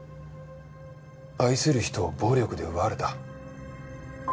愛する人を暴力で奪われた。